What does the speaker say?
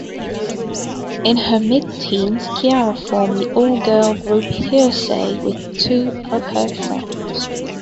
In her mid-teens, Ciara formed the all-girl group Hearsay with two of her friends.